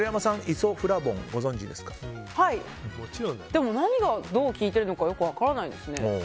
でも、何がどう効いているのかよく分からないですね。